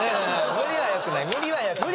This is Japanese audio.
無理はよくない。